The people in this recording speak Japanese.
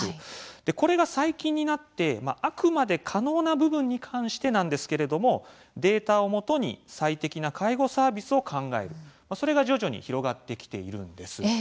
これが最近になってあくまで可能な部分に関してなんですけれどもデータを基に最適な介護サービスを考えるそれが徐々に広がってきているんです。